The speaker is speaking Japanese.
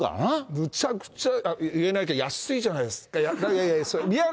むちゃくちゃ、言えないけど、安いじゃないですか。